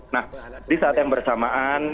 nah di saat yang bersamaan